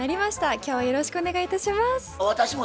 今日はよろしくお願いいたします。